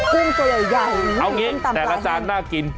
ซึ่งเจ๋ยใหญ่เอางี้แต่ละจานน่ากิน